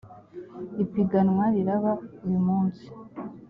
ipiganwa riraba uyumunsi.